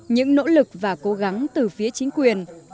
những nỗ lực và cố gắng từ phía chính quyền